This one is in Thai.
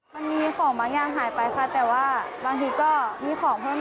ให้ข้าวของถูกลงค่ะ